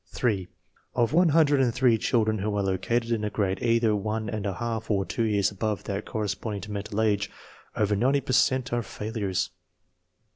8. Of one hundred and three children who are located in a grade either one and a half or two years above that cor responding to mental age, over 90 per cent are failures.